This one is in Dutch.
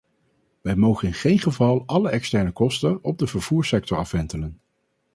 Wij mogen in geen geval alle externe kosten op de vervoerssector afwentelen.